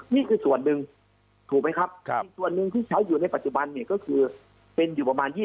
นี่คือส่วนหนึ่งถูกไหมครับอีกส่วนหนึ่งที่ใช้อยู่ในปัจจุบันเนี่ยก็คือเป็นอยู่ประมาณ๒๐